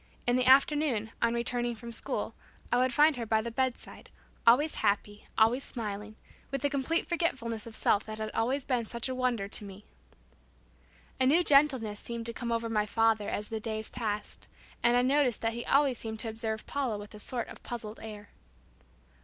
In the afternoon, on returning from school, I would find her by the bedside, always happy, always smiling, with the complete forgetfulness of self that had always been such a wonder to me. A new gentleness seemed to come over my father as the days passed, and I noticed that he always seemed to observe Paula with a sort of puzzled air.